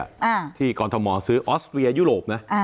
อ่าที่กรทมซื้อออสเวียยุโรปนะอ่า